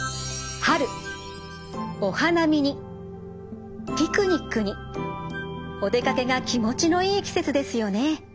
春お花見にピクニックにお出かけが気持ちのいい季節ですよね。